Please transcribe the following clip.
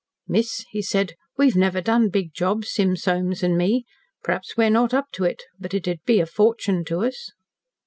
"Miss," he said, "we've never done big jobs, Sim Soames an' me. P'raps we're not up to it but it'd be a fortune to us."